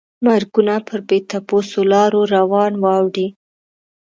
مرګونه پر بې تپوسو لارو روان واوړي.